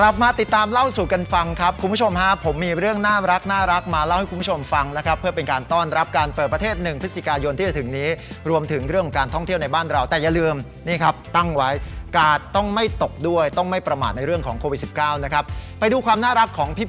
กลับมาติดตามเล่าสู่กันฟังครับคุณผู้ชมฮะผมมีเรื่องน่ารักมาเล่าให้คุณผู้ชมฟังนะครับเพื่อเป็นการต้อนรับการเปิดประเทศหนึ่งพฤศจิกายนที่จะถึงนี้รวมถึงเรื่องของการท่องเที่ยวในบ้านเราแต่อย่าลืมนี่ครับตั้งไว้กาดต้องไม่ตกด้วยต้องไม่ประมาทในเรื่องของโควิดสิบเก้านะครับไปดูความน่ารักของพี่